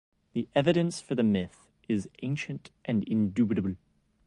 The evidence for the myth is ancient and indubitable.